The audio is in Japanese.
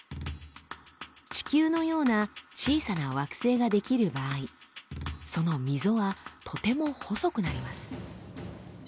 地球のような小さな惑星が出来る場合その溝はとても細くなります。